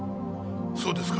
そうですか。